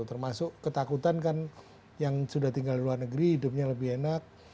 termasuk ketakutan kan yang sudah tinggal di luar negeri hidupnya lebih enak